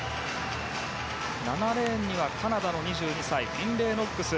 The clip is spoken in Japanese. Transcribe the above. ７レーンには、カナダの２２歳フィンレイ・ノックス。